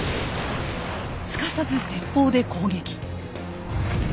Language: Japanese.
すかさず鉄砲で攻撃。